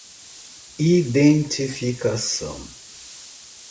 identificação